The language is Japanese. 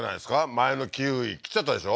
前のキウイ切っちゃったでしょ？